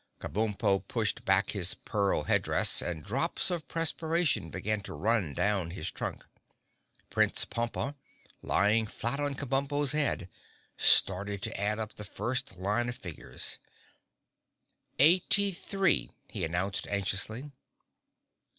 Kabumpo pushed back his pearl headdress and drops of perspiration began to run down his trunk. Prince Pompa, lying flat on Kabumpo's head, started to add up the first line of figures. "Eighty three," he announced anxiously.